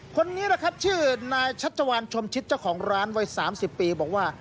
คนนี้แหละครับชื่อนายชัชวานชมชิดเจ้าของร้านวัย๓๐ปีบอกว่า